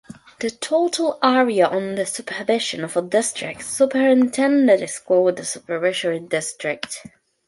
The total area under supervision of a district superintendent is called a supervisory district.